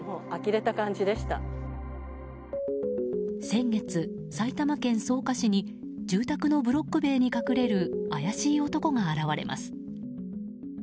先月、埼玉県草加市に住宅のブロック塀に隠れる怪しい男が現れます。